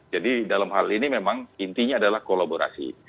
jadi dalam hal ini memang intinya adalah kolaborasi